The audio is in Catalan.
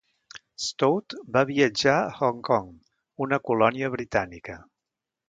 Stout va viatjar a Hong Kong, una colònia britànica.